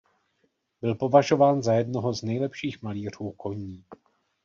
Byl považován za jednoho z nejlepších malířů koní.